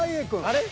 あれ？